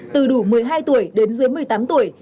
từ đủ một mươi hai tuổi đến dưới một mươi tám tuổi